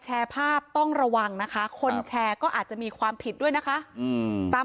แชร์ภาพต้องระวังนะคะคนแชร์ก็อาจจะมีความผิดด้วยนะคะตาม